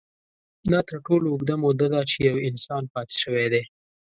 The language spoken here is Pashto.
دا تر ټولو اوږده موده ده، چې یو انسان پاتې شوی دی.